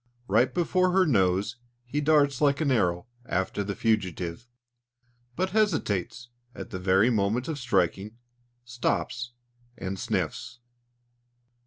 Right before her nose he darts like an arrow after the fugitive, but hesitates at the very moment of striking, stops, and sniffs.